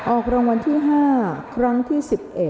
ออกรางวัลที่๕ครั้งที่๑๑